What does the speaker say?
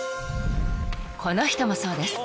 ［この人もそうです］